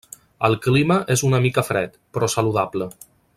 El clima és una mica fred, però saludable.